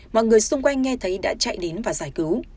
mọi người xung quanh nghe thấy đã chạy đến và giải cứu